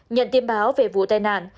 nhận tin báo về vụ tai nạn